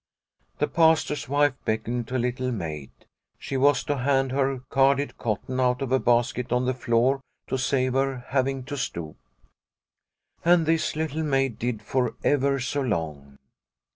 The Pastor's wife beckoned to Little Maid. She was to hand her carded cotton out of a basket on the floor to save her having to stoop. And this Little Maid did for ever so long.